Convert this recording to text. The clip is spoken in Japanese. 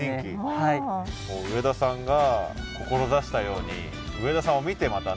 上田さんが志したように上田さんを見てまたね